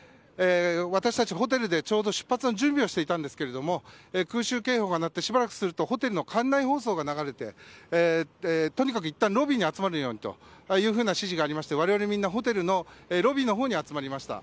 私たちホテルでちょうど出発の準備をしていたんですが空襲警報が鳴ってしばらくするとホテルの館内放送が流れてとにかく、いったんロビーに集まるようにという指示がありまして我々、みんなホテルのロビーに集まりました。